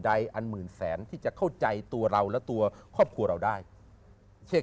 อันหมื่นแสนที่จะเข้าใจตัวเราและตัวครอบครัวเราได้เช่น